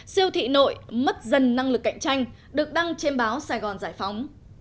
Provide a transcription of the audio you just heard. siêu thị nội mất dần năng lực cạnh tranh được đăng trên báo sài gòn giải phóng